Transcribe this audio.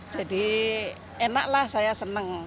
jadi enaklah saya senang